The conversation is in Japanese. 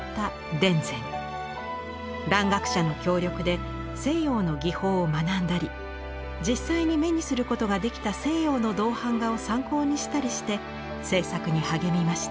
蘭学者の協力で西洋の技法を学んだり実際に目にすることができた西洋の銅版画を参考にしたりして制作に励みました。